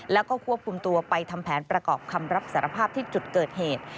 แล้วก็ควบคุมตัวไปทำแผนประกอบคำรับสารภาพที่จุดเกิดเหตุ